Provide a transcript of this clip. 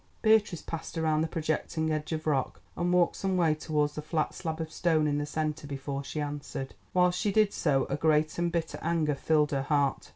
Beatrice passed round the projecting edge of rock, and walked some way towards the flat slab of stone in the centre before she answered. While she did so a great and bitter anger filled her heart.